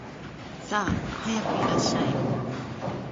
さあ、早くいらっしゃい